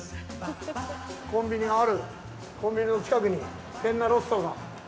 コンビニがあるコンビニの近くにペンナロッソが。